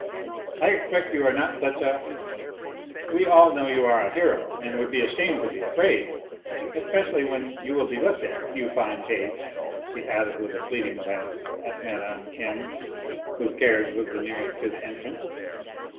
" I expect you are not such a We all know you are a hero and would be ashamed to be afraid ; especially when you will be looked at, you fine page," she added, with a fleeting glance at Mine. M., whose carriage was the nearest to the entrance.